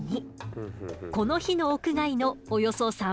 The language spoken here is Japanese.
この日の屋外のおよそ３％。